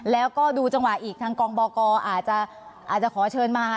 แล้วก็ดูจังหวะอีกทางกองบกอาจจะขอเชิญมา